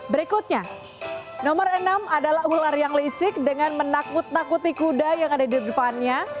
berikutnya nomor enam adalah ular yang licik dengan menakut nakuti kuda yang ada di depannya